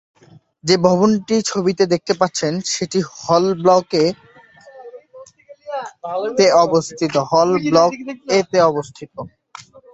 যে ভবনটি ছবিতে দেখতে পাচ্ছেন সেটি হল ব্লক এ তে অবস্থিত।